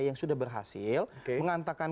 yang sudah berhasil mengantarkan